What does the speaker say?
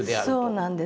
そうなんです。